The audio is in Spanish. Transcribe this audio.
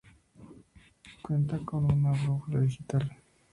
Cuenta con una brújula digital.